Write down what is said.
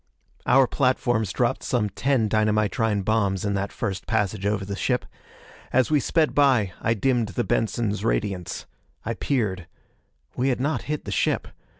Our platforms dropped some ten dynamitrine bombs in that first passage over the ship. As we sped by, I dimmed the Benson's radiance. I peered. We had not hit the ship.